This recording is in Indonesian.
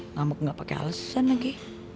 ngamuk gak pake alesan lagi